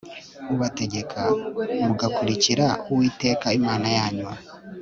ubategeka mugakurikira uwiteka imana yanyu